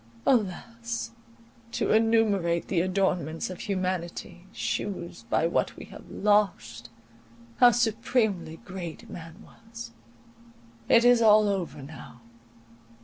Alas! to enumerate the adornments of humanity, shews, by what we have lost, how supremely great man was. It is all over now.